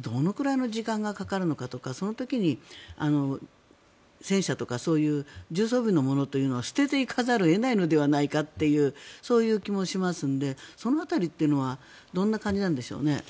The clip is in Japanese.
どのくらいの時間がかかるのかとかその時に戦車とかそういう重装備のものというのは捨てていかざるを得ないのではないかというそういう気もしますのでその辺りというのはどんな感じなんでしょうね。